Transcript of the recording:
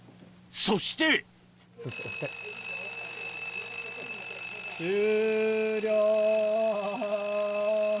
そして終了。